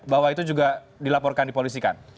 bahwa itu juga dilaporkan dipolisikan